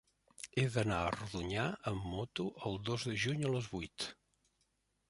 He d'anar a Rodonyà amb moto el dos de juny a les vuit.